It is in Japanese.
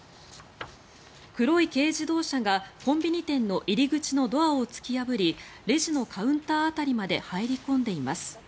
黒い軽自動車がコンビニ店の入り口のドアを突き破りレジのカウンター辺りまで入り込んでいます。